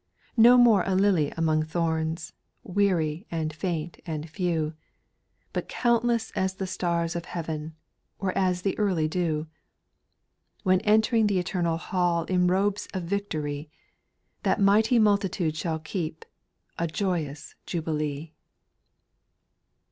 6. No more a lily among thorns, Weary, and faint, and few ; But countless as the stars of heaven, Or as the early dew. 7. When entering th' eternal hall In robes of victory. That mighty multitude shall keep. A joyous jubilee.